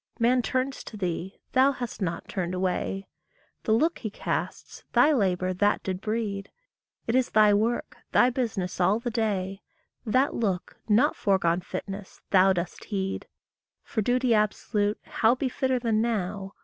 Man turns to thee, thou hast not turned away; The look he casts, thy labour that did breed It is thy work, thy business all the day: That look, not foregone fitness, thou dost heed. For duty absolute how be fitter than now?